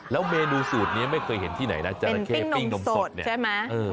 แล้วเมนูสูตรนี้ไม่เคยเห็นที่ไหนนะ